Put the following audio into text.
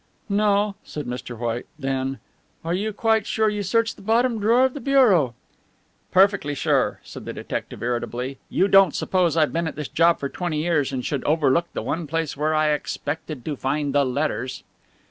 "No," said Mr. White; then: "Are you quite sure you searched the bottom drawer of the bureau?" "Perfectly sure," said the detective irritably, "you don't suppose I've been at this job for twenty years and should overlook the one place where I expected to find the letters."